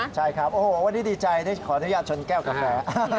ใช่ครับโอ้โหวันนี้ดีใจได้ขออนุญาตชนแก้วกระแส